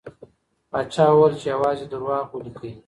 پاچا وویل چي یوازې دروغ ولیکئ.